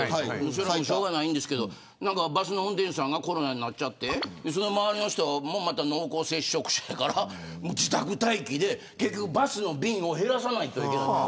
それはしょうがないですがバスの運転手さんがコロナになっちゃって周りの人も濃厚接触者やから自宅待機で、バスの便を減らさないといけない。